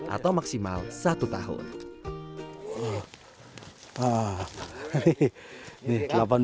atau maksimal satu tahun